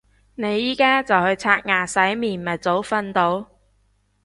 你而家就去刷牙洗面咪早瞓到